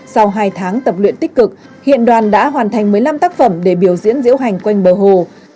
sau hai tháng tập luyện tích cực hiện đoàn đã hoàn thành một mươi năm tác phẩm để biểu diễn diễu hành quanh bờ hồ